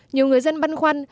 nhiều người dân băn khoăn